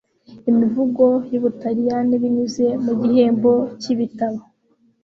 imivugo y'ubutaliyani binyuze mu gihembo cy'ibitabo